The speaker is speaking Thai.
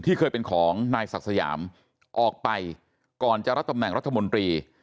เคยเป็นของนายศักดิ์สยามออกไปก่อนจะรับตำแหน่งรัฐมนตรี